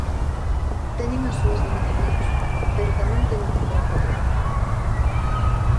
Teñen as súas limitacións pero tamén teñen un gran potencial.